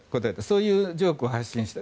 そういうジョークを発信した。